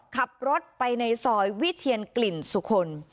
ขับรถไปในซอยวิเทียนกลิ่นสุคล